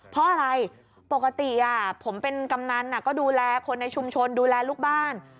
เพราะอะไรปกติผมเป็นกำนันก็ดูแลคนในชุมชนดูแลลูกบ้าน